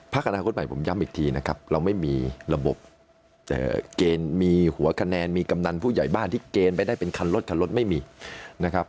อนาคตใหม่ผมย้ำอีกทีนะครับเราไม่มีระบบเกณฑ์มีหัวคะแนนมีกำนันผู้ใหญ่บ้านที่เกณฑ์ไปได้เป็นคันรถคันรถไม่มีนะครับ